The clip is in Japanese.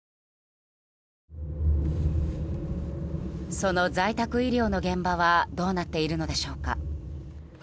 その在宅医療の現場はどうなっているのでしょうか。